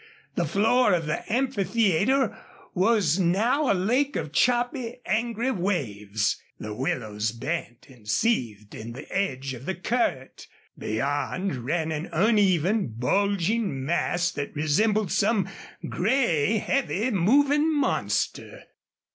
The floor of the amphitheater was now a lake of choppy, angry waves. The willows bent and seethed in the edge of the current. Beyond ran an uneven, bulging mass that resembled some gray, heavy moving monster.